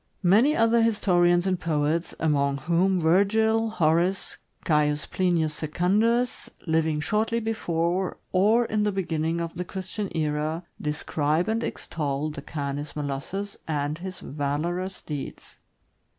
Many other histo rians and poets, among whom Virgil, Horace, Caius Plinius Secundus, living shortly before or in the beginning of the Christian era, describe and extol the Canis molossus and his valorous deeds.